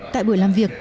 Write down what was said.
tại buổi làm việc